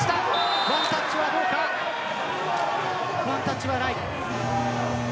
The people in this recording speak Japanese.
ワンタッチはない。